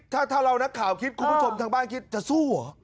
ถ้าเรานักข่าวคิดคุณผู้ชมทางบ้านคิดจะสู้เหรอ